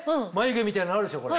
眉毛みたいなのあるでしょ